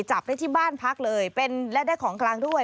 จับได้ที่บ้านพักเลยเป็นและได้ของกลางด้วย